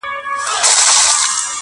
بيزو وان كړې په نكاح څلور بيبياني!!